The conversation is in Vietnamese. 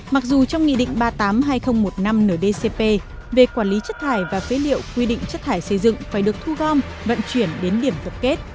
mặc dù trong nghị định ba mươi tám hai nghìn một mươi năm ndcp về quản lý chất thải và phế liệu quy định chất thải xây dựng phải được thu gom vận chuyển đến điểm tập kết